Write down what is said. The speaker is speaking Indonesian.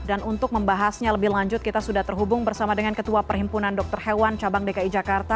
dan untuk membahasnya lebih lanjut kita sudah terhubung bersama dengan ketua perhimpunan dokter hewan cabang dki jakarta